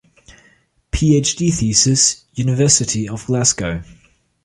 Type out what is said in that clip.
PhD thesis, University of Glasgow.